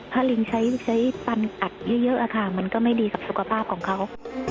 ถ้าลิงใช้ปันอัดเยอะค่ะมันก็ไม่ดีกับสุขภาพของเขา